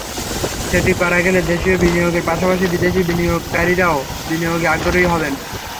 সেটি করা গেলে দেশীয় বিনিয়োগের পাশাপাশি বিদেশি বিনিয়োগকারীরাও বিনিয়োগে আগ্রহী হবেন।